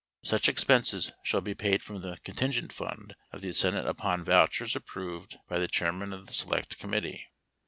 Such expenses shall be 24 paid from the contingent fund of the Senate upon vouchers 25 approved by the chairman of 1 the select committee.